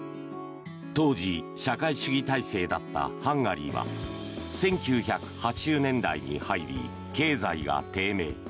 当時、社会主義体制だったハンガリーは１９８０年代に入り経済が低迷。